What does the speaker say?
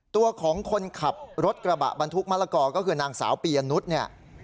ตัวของคนขับรถกระบะบรรทุกมะละกอก็คือนางสาวปียะนุษย์เนี่ย